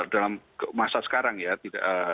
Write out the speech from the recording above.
dalam masa sekarang ya